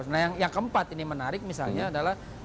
nah yang keempat ini menarik misalnya adalah